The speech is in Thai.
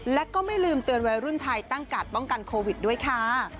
และก็ไม่ลืมเตือนวัยรุ่นไทยตั้งการ์ดป้องกันโควิดด้วยค่ะ